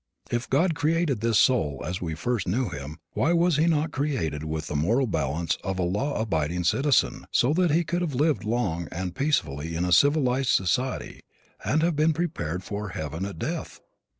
If God created this soul as we first knew him why was he not created with the moral balance of a law abiding citizen so that he could have lived long and peacefully in civilized society and have been prepared for heaven at death?